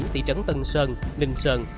thị trấn tân sơn ninh sơn